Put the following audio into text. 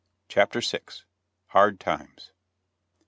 CHAPTER VI. HARD TIMES.